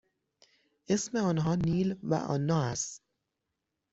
اسم آنها نیل و آنا است.